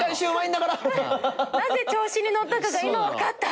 なぜ調子に乗ったかが今分かった。